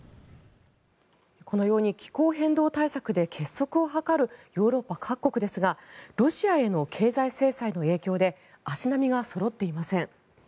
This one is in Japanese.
このように気候変動対策で結束を図るヨーロッパ各国ですがロシアへの経済制裁の影響で足並みがそろっていません。